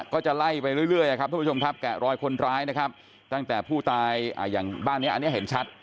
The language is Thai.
ก็จะไล่ไปเรื่อยครับทุกผู้ชมครับแกะรอยคนร้ายนะครับตั้งแต่ผู้ตายอย่างบ้านนี้อันนี้เห็นชัด